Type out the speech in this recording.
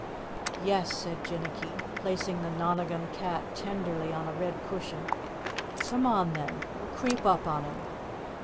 "Yes," said Jinnicky, placing the Nonagon cat tenderly on a red cushion. "Come on, then, we'll creep up on him.